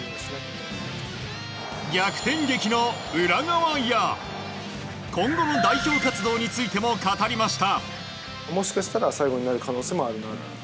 逆転劇の裏側や今後の代表活動についても語りました。